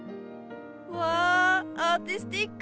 うわアーティスティック。